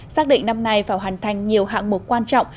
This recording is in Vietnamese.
xác định năm nay phải hoàn thành nhiều hạng mục quan trọng